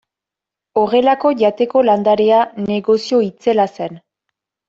Horrelako jateko landarea negozio itzela zen.